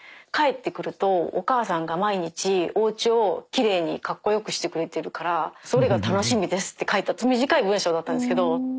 帰ってくるとお母さんが毎日おうちをきれいにかっこよくしてくれてるからそれが楽しみですって書いて短い文章だったんですけど。